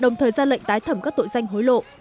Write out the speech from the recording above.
đồng thời ra lệnh tái thẩm các tội danh hối lộ